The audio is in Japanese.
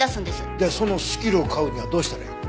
じゃあそのスキルを買うにはどうしたらいいの？